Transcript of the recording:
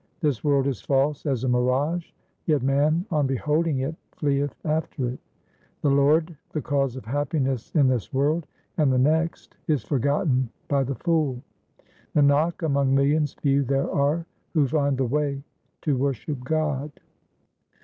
This world is false as a mirage, yet man on beholding it fteeth after it. The Lord, the Cause of happiness in this world and the next, is forgotten by the fool. Nanak, among millions few there are who find the way to worship God.